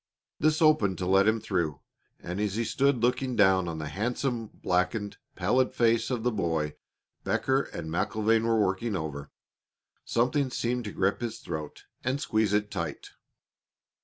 This opened to let him through, and as he stood looking down on the handsome, blackened, pallid face of the boy Becker and MacIlvaine were working over, something seemed to grip his throat and squeeze it tight.